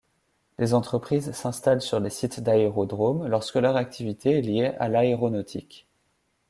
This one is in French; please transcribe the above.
Des entreprises s'installent sur les sites d'aérodromes lorsque leur activité est liée à l'aéronautique.